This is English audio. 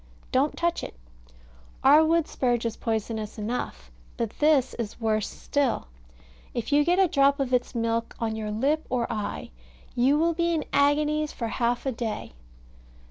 Don't touch it. Our wood spurge is poisonous enough, but this is worse still; if you get a drop of its milk on your lip or eye, you will be in agonies for half a day.